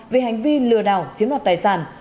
về hành vi lừa đảo chiếm đoạt tài sản